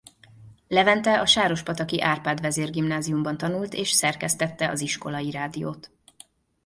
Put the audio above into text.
Levente a sárospataki Árpád Vezér Gimnáziumban tanult és szerkesztette az iskolai rádiót.